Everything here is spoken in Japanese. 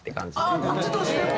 ああこっちとしても？